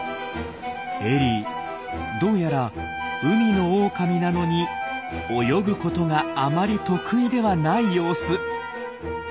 エリーどうやら海のオオカミなのに泳ぐことがあまり得意ではない様子。